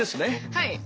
はい。